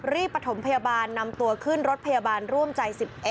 ประถมพยาบาลนำตัวขึ้นรถพยาบาลร่วมใจ๑๑